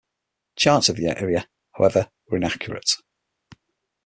Charts of the area, however, were inaccurate.